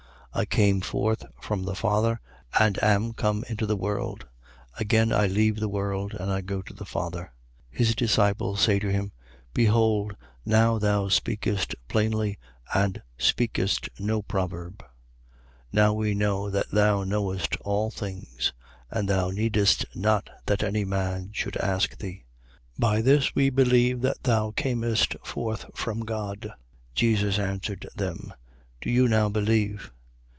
16:28. I came forth from the Father and am come into the world: again I leave the world and I go to the Father. 16:29. His disciples say to him: Behold, now thou speakest plainly and speakest no proverb. 16:30. Now we know that thou knowest all things and thou needest not that any man should ask thee. By this we believe that thou camest forth from God. 16:31. Jesus answered them: Do you now believe?